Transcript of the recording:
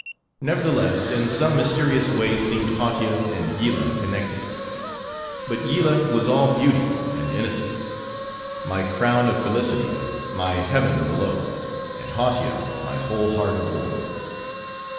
Nevertheless, in some mysterious way seemed Hautia and Yillah connected. But Yillah was all beauty, and innocence; my crown of felicity; my heaven below;—and Hautia, my whole heart abhorred.